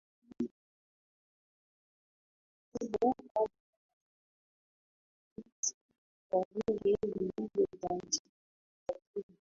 Alihudumu kama Makamu Mwenyekiti wa Bunge lililojadili Katiba